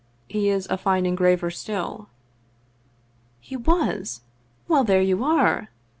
He is a fine engraver still." " He was ? Well, there you are